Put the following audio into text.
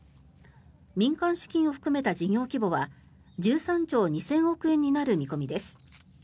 民間資金を含めた事業規模は１３兆２０００億円になる見込みです。